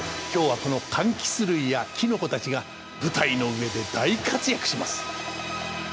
今日はこの柑橘類やキノコたちが舞台の上で大活躍します！